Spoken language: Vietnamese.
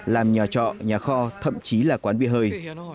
làm nhà trọ nhà kho thậm chí là quán bia hơi